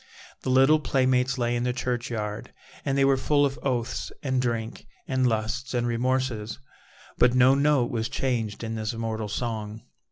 The little playmates lay in the churchyard, and they were full of oaths and drink and lusts and remorses, but no note was changed in this immortal song.